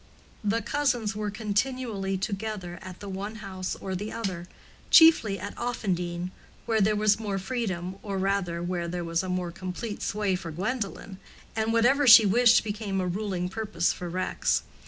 The cousins were continually together at the one house or the other—chiefly at Offendene, where there was more freedom, or rather where there was a more complete sway for Gwendolen; and whatever she wished became a ruling purpose for Rex.